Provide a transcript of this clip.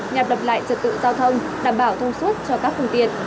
nhập đập lại trật tự giao thông đảm bảo thông suất cho các phương tiện